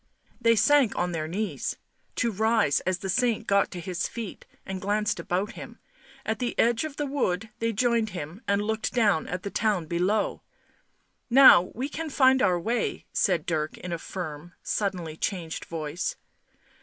They sank on their knees, to rise as the saint got to his feet and glanced about him ; at the edge of the wood they joined him and looked down at the town below. "Now we can find our way," said Dirk in a firm, suddenly changed voice.